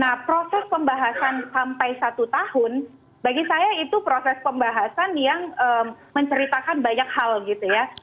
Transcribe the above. nah proses pembahasan sampai satu tahun bagi saya itu proses pembahasan yang menceritakan banyak hal gitu ya